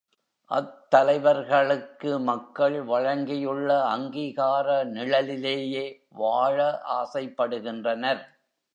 அத்தலைவர்களுக்கு மக்கள் வழங்கியுள்ள அங்கீகார நிழலிலேயே வாழ ஆசைப்படுகின்றனர்.